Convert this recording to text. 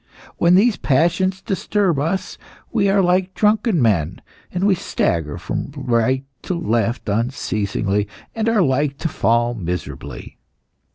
When these passions disturb us we are like drunken men, and we stagger from right to left unceasingly, and are like to fall miserably.